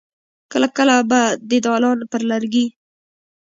کله کله به د دالان پر لرګي.